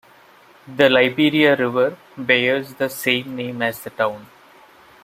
The Liberia River bears the same name as the town.